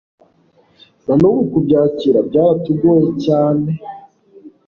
nanubu kubyakira byaratugoye cyane